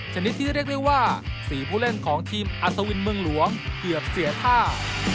ชนิดที่เรียกได้ว่า๔ผู้เล่นของทีมอัศวินเมืองหลวงเกือบเสียท่า